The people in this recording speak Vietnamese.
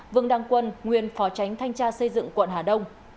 vương đăng quân nguyên phó tránh thanh tra xây dựng quận hà đông